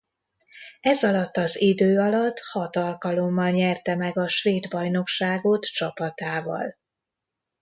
Ez alatt az idő alatt hat alkalommal nyerte meg a svéd bajnokságot csapatával.